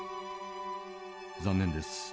残念です。